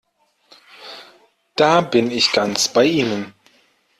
Da bin ich ganz bei Ihnen!